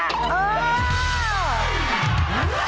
เออ